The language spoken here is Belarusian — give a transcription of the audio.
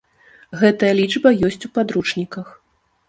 Гэтая лічба ёсць у падручніках.